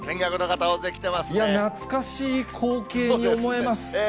いや、懐かしい光景に思えます。